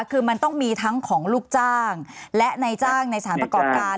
คือมันต้องมีทั้งของลูกจ้างและในจ้างในสารประกอบการ